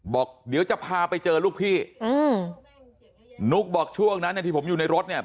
บอกเดี๋ยวจะพาไปเจอลูกพี่อืมนุ๊กบอกช่วงนั้นเนี่ยที่ผมอยู่ในรถเนี่ย